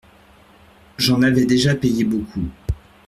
J'en avais déjà payé beaucoup.